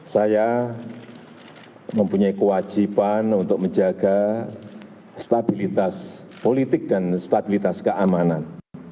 saya mempunyai kewajiban untuk menjaga stabilitas politik dan stabilitas keamanan